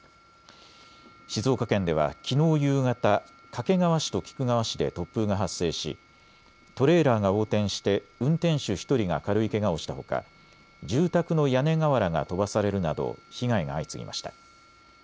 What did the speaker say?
静岡県ではきのう夕方、掛川市と菊川市で突風が発生しトレーラーが横転して運転手１人が軽いけがをしたほか住宅の屋根瓦が飛ばされるなど被害が相次ぎました。